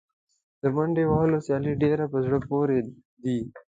د منډې وهلو سیالۍ ډېرې په زړه پورې دي.